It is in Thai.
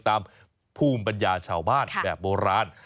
ตามภูมิปัญญาชาวบ้านแบบโบราณ